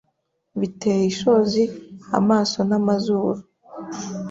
Biteye ishozi amaso n'amazuru